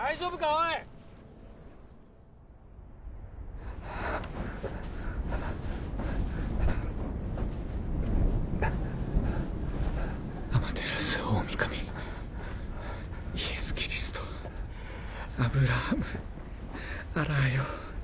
おいはあはあはあ天照大御神イエス・キリストアブラハムアラーよ